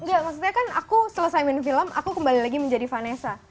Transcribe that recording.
enggak maksudnya kan aku selesai main film aku kembali lagi menjadi vanessa